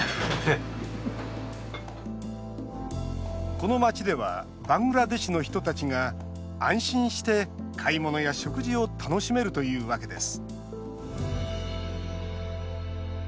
この街ではバングラデシュの人たちが安心して買い物や食事を楽しめるというわけです。